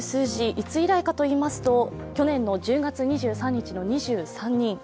いつ以来かといいますと去年の１０月２３日の２３人。